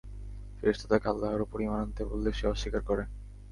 ফেরেশতা তাকে আল্লাহর উপর ঈমান আনতে বললে সে অস্বীকার করে।